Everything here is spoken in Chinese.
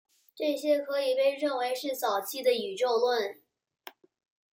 这些可以被认为是早期的宇宙论。